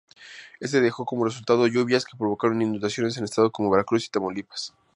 Este dejó como resultado lluvias que provocaron inundaciones en estados como Veracruz y Tamaulipas.